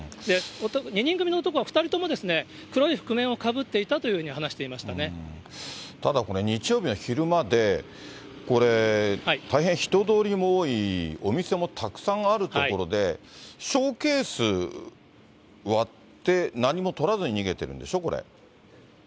２人組の男は２人とも黒い覆面をかぶっていたというふうに話してただ、これ、日曜日の昼間で、これ、大変人通りも多い、お店もたくさんある所で、ショーケース割って、何もとらずに逃げてるんでしょ、これ。